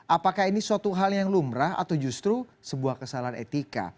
apakah ini suatu hal yang lumrah atau justru sebuah kesalahan etika